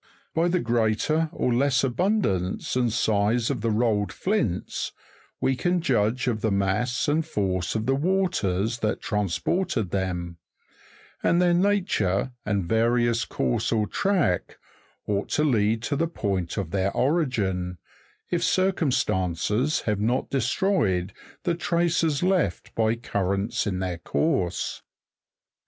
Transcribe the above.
By the greater or less abundance and size of the rolled flints, we can judge of the mass and force of the waters that transported them; and their nature, and various course or track, ought to lead to the point of their origin, if circumstances have not destroyed the traces left by currents in their course.